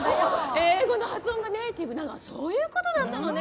英語の発音がネイティブなのはそういう事だったのね！